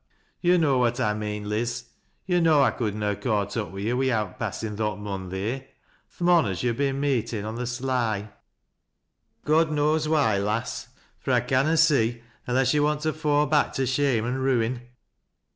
Yo' know what I mean, Liz. To' know I could na ha' caught up wi' yo' wi'out passin' thot mon theer, — th' mon as yo' ha' been meetin' on th' sly, — God knows why, lass, fur I canna see, unless yo' want to fa' back to shame an' ruin."